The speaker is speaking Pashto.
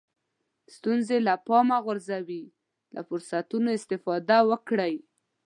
ستونزې له پامه وغورځوئ له فرصتونو استفاده وکړئ.